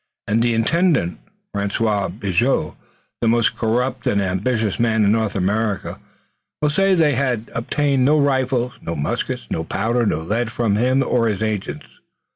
And the Intendant, François Bigot, the most corrupt and ambitious man in North America, will say that they obtained no rifles, no muskets, no powder, no lead from him or his agents.